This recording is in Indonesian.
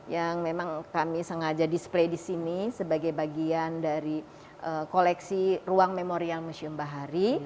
yang memang kami sengaja display di sini sebagai bagian dari koleksi ruang memorial museum bahari